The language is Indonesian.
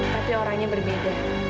tapi orangnya berbeda